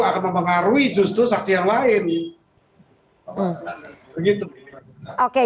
akan memengaruhi justru saksi yang berstatus kolaborator